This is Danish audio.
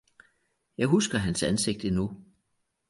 Jeg husker hans ansigt endnu.